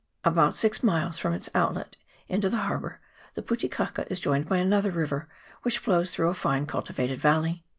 About six miles from its outlet into the harbour the Pu te kaka is joined by another river, which flows through a fine cultivated valley.